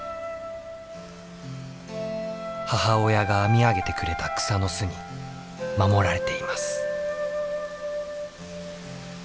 母親が編み上げてくれた草の巣に守られています。